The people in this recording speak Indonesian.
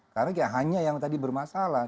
karena hanya yang tadi bermasalah